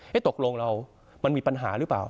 เอ๊ะตกลงแล้วมันมีปัญหาหรือเปล่า